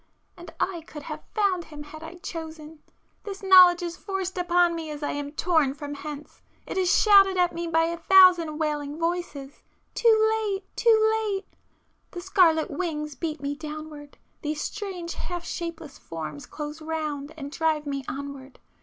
And I could have found Him had I chosen,—this knowledge is forced upon me as I am torn from hence,—it is shouted at me by a thousand wailing voices! ... too late!—too late!—the scarlet wings beat me downward,—these strange half shapeless forms close round and drive me onward